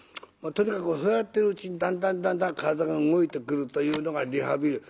とにかくそうやってるうちにだんだんだんだん体が動いてくるというのがリハビリ。